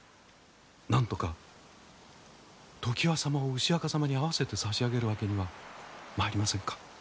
なんとか常磐様を牛若様に会わせて差し上げるわけにはまいりませんか？